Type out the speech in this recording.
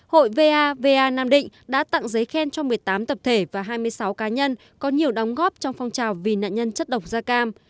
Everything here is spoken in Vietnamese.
hội vava nam định đã tặng giấy khen cho một mươi tám tập thể và hai mươi sáu cá nhân có nhiều đóng góp trong phong trào vì nạn nhân chất độc da cam